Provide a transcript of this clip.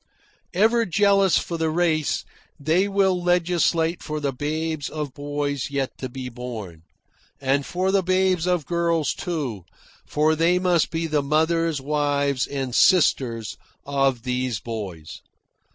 Ever jealous for the race, they will legislate for the babes of boys yet to be born; and for the babes of girls, too, for they must be the mothers, wives, and sisters of these boys.